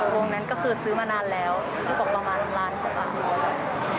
วงนั้นก็คือซื้อมานานแล้วบอกว่าประมาณล้านกว่าบาท